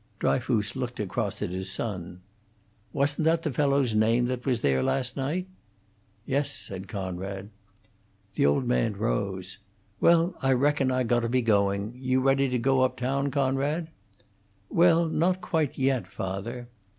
Dryfoos looked across at his son. "Wasn't that the fellow's name that was there last night?" "Yes," said Conrad. The old man rose. "Well, I reckon I got to be going. You ready to go up town, Conrad?" "Well, not quite yet, father."